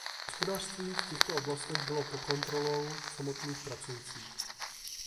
Hospodářství v těchto oblastech bylo po kontrolou samotných pracujících.